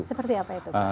seperti apa itu pak